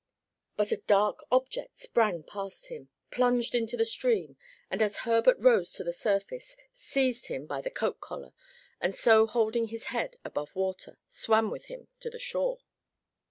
But a dark object sprang past him, plunged into the stream, and as Herbert rose to the surface, seized him by the coat collar, and so holding his head above water, swam with him to the shore.